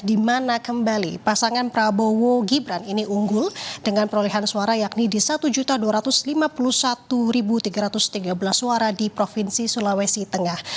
di mana kembali pasangan prabowo gibran ini unggul dengan perolehan suara yakni di satu dua ratus lima puluh satu tiga ratus tiga belas suara di provinsi sulawesi tengah